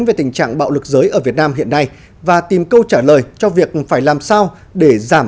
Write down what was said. về tình trạng bạo lực giới ở việt nam hiện nay và tìm câu trả lời cho việc phải làm sao để giảm